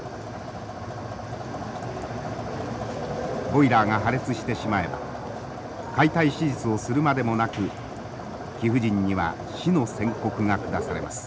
ボイラーが破裂してしまえば解体手術をするまでもなく貴婦人には死の宣告が下されます。